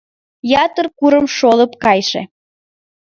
Ятыр курым шолып кийыше